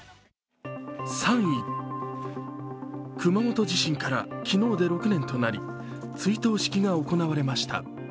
３位、熊本地震から昨日で６年となり追悼式が行われました。